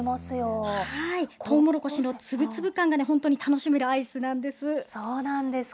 トウモロコシのつぶつぶ感が本当に楽しめるアイスなんです。